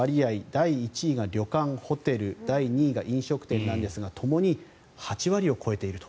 第１位が旅館・ホテル第２位が飲食店なんですがともに８割を超えていると。